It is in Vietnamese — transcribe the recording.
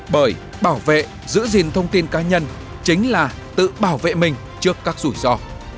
bởi bảo vệ giữ gìn thông tin cá nhân chính là tự bảo vệ mình trước các rủi ro